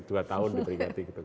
dua tahun diberi hati gitu